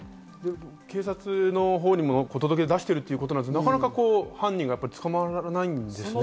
警察のほうにも届けを出してるということですが、なかなか犯人が捕まらないんですね。